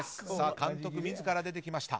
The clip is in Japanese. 監督自ら出てきました。